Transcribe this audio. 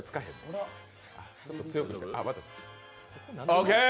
オーケー！